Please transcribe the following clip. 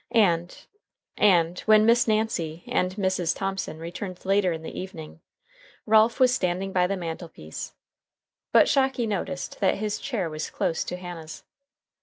And ... And when Miss Nancy and Mrs. Thomson returned later in the evening, Ralph was standing by the mantel piece, but Shocky noticed that his chair was close to Hannah's.